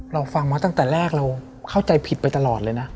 เราฟังมาตั้งแต่แรกเราเข้าใจผิดไปตลอดเลยนะ